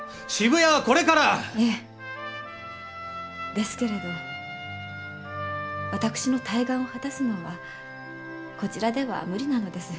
ですけれど私の大願を果たすのはこちらでは無理なのです。